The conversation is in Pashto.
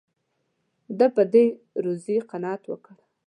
ده په دې روزي قناعت وکړ.